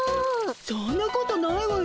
そんなことないわよ。